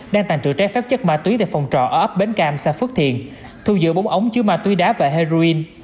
đang tàn trữ trái phép chất ma túy để phòng trọ ở ấp bến cam xa phước thiền thu giữ bống ống chứa ma túy đá và heroin